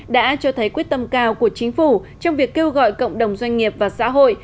đã cho thấy quyết tâm cao của chính phủ trong việc kêu gọi cộng đồng doanh nghiệp và xã hội